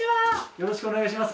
よろしくお願いします。